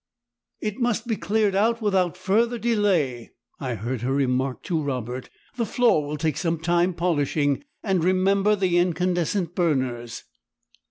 "It must be cleared out without further delay!" I heard her remark to Robert, "the floor will take some time polishing and remember the incandescent burners!"